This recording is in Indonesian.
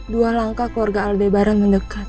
dua langkah keluarga aldebaran mendekat